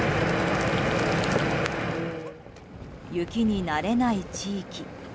雪に慣れない地域。